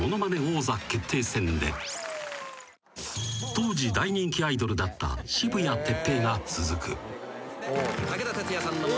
［当時大人気アイドルだった渋谷哲平が続く］